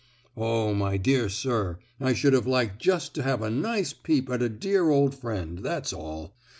"Oh, my dear sir, I should have liked just to have a nice peep at a dear old friend, that's all.